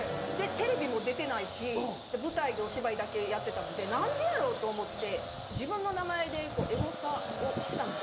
テレビも出てないし舞台でお芝居だけやってたので何でやろ？と思って自分の名前でエゴサをしたんです。